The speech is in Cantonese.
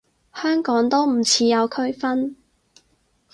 香港都唔似有區分